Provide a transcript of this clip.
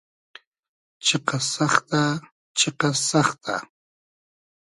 چیقئس سئختۂ ..... چیقئس سئختۂ .....